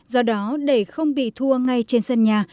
do đó để không bị thua ngay trên sân nhà